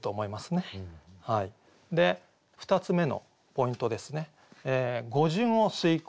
２つ目のポイントですね